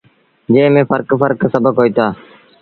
جݩهݩ ميݩ ڦرڪ ڦرڪ سبڪ هوئيٚتآ۔